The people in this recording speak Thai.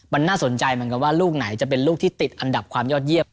มันน่าสนใจเหมือนกันว่าลูกไหนจะเป็นลูกที่ติดอันดับความยอดเยี่ยม